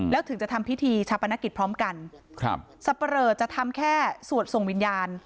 แล้วถึงจะทำพิธีชาปนกิจพร้อมกันครับสับปะเรอจะทำแค่สวดส่งวิญญาณ